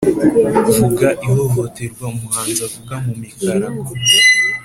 vuga ihohoterwa umuhanzi avuga mu mikarago